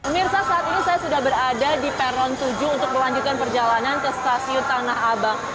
mirsa saat ini saya sudah berada di peron tujuh untuk melanjutkan perjalanan ke stasiun tanah abang